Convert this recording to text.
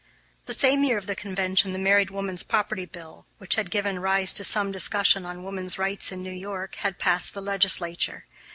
The same year of the convention, the Married Woman's Property Bill, which had given rise to some discussion on woman's rights in New York, had passed the legislature.